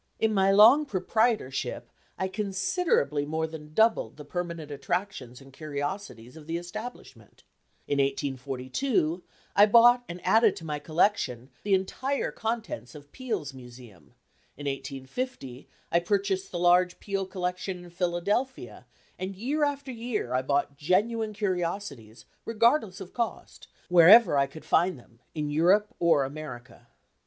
In my long proprietorship I considerably more than doubled the permanent attractions and curiosities of the establishment. In 1842, I bought and added to my collection the entire contents of Peale's Museum; in 1850, I purchased the large Peale collection in Philadelphia; and year after year, I bought genuine curiosities, regardless of cost, wherever I could find them, in Europe or America.